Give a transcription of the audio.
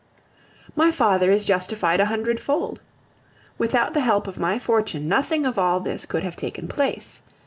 My father is justified a hundred fold. Without the help of my fortune nothing of all this could have taken place.